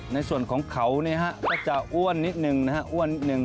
ในส่วนของเขาก็จะอ้วนนิดหนึ่ง